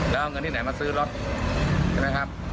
แล้วเอาเงินที่ไหนมาซื้อรถใช่ไหมครับ